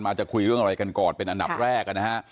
อาจจะคุยเรื่องอะไรกันก่อนเป็นอันดับแรกนะฮะ